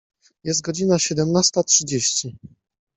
Jest godzina siedemnasta trzydzieści.